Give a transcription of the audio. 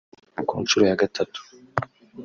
Ku nshuro ya gatatu